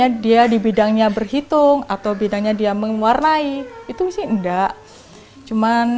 ya seandainya dia di bidangnya berhitung atau bidangnya dia mengwarnai itu sih enggak cuman